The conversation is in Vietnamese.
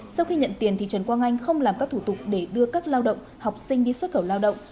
sau khi nhận tiền trần quang anh không làm các thủ tục để đưa các lao động học sinh đi xuất khẩu lao động